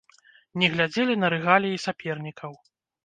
Не глядзелі на рэгаліі сапернікаў.